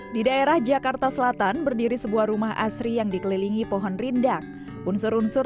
di daerah jakarta selatan berdiri sebuah rumah asri yang dikelilingi pohon rindang unsur unsur